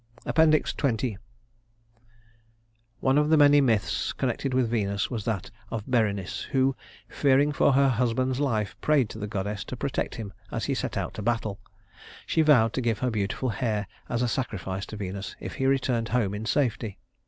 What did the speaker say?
XX One of the many myths connected with Venus was that of Berenice who, fearing for her husband's life, prayed to the goddess to protect him as he set out to battle. She vowed to give her beautiful hair as a sacrifice to Venus if he returned home in safety.